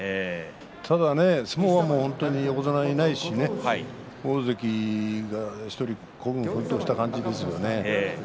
ただね、相撲は横綱はいないしね大関が１人孤軍奮闘した感じだよね。